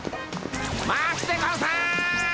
待つでゴンス！